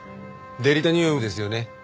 デリタニウムですよね。